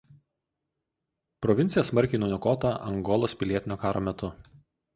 Provincija smarkiai nuniokota Angolos pilietinio karo metu.